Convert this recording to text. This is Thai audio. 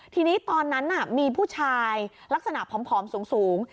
ทีนี้ตอนนั้นมีผู้ชายลักษณะผอมสูง